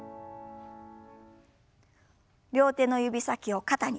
両手の指先を肩に。